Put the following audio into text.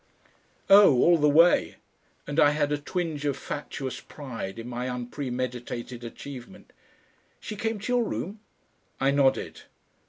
"Oh! all the way!" and I had a twinge of fatuous pride in my unpremeditated achievement. "She came to your room?" I nodded.